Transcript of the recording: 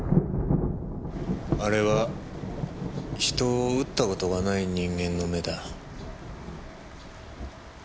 あれは人を撃った事がない人間の目だ。